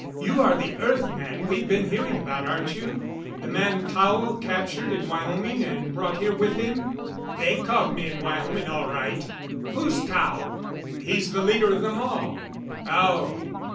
You are the earth man we've been hearing about, aren't you the man Tao captured in Wyoming and brought here with him?" "They caught me in Wyoming all right. Who's Tao?" "He's the leader of them all." "Oh.